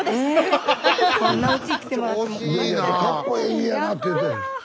かっこええ家やなって言うて。